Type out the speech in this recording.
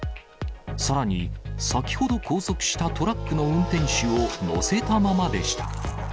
さらに、先ほど拘束したトラックの運転手を乗せたままでした。